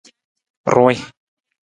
Ruwii.